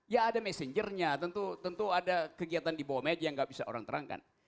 ya ada messengernya tentu ada kegiatan di bawah media yang nggak bisa orang terangkan